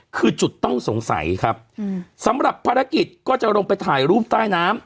คือจุดต้องสงสัยครับสำหรับภารกิจก็จะลงไปถ่ายรูปใต้น้ำ